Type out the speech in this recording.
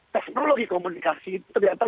teknologi komunikasi itu ternyata